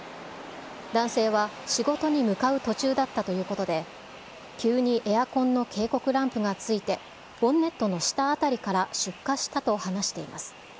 男性は仕事に向かう途中だったということで、急にエアコンの警告ランプがついて、ボンネットの下あたりから出火したと話しています。